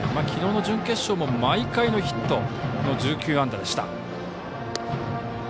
きのうの準決勝も毎回のヒットの１９安打でした。